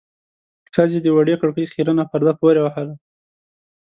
ښځې د وړې کړکۍ خيرنه پرده پورې وهله.